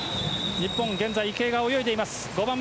日本、現在池江が泳いでいる。